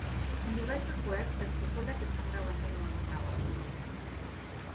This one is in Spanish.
En diversas webs se especula que están grabando un nuevo trabajo.